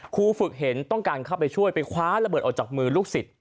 ครูฝึกเห็นต้องการเข้าไปช่วยไปคว้าระเบิดออกจากมือลูกศิษย์